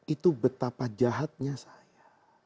itu betapa jahatnya saya